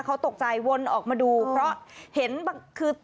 เขาตกใจวนออกมาดูเพราะเห็นบางคือ